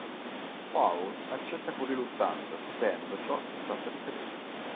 Paul accetta con riluttanza, sapendo ciò che sta per accadere.